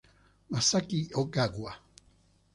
Masaki Ogawa